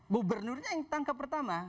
gubernurnya yang tangkap pertama